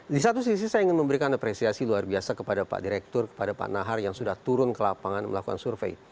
di satu sisi saya ingin memberikan apresiasi luar biasa kepada pak direktur kepada pak nahar yang sudah turun ke lapangan melakukan survei